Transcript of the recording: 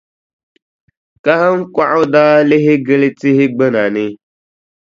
Kahiŋkɔɣu daa lihi gili tihi gbuna ni.